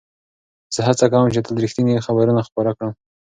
زه هڅه کوم چې تل رښتیني خبرونه خپاره کړم.